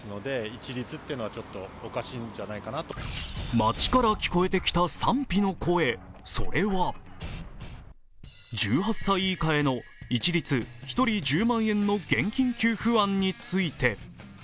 街から聞こえてきた賛否の声、それは１８歳以下への一律１人１０万円の現金給付案について。